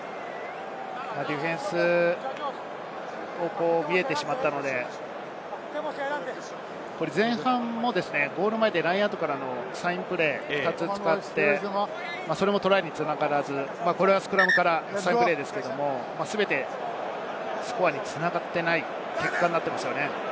ディフェンスが見えてしまったので、前半もゴール前でラインアウトからのサインプレーを２つ使って、それもトライに繋がらずこれはスクラムからのサインプレーですが、全てスコアに繋がっていない結果になっています。